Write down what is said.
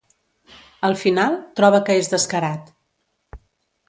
Al final, troba que és descarat.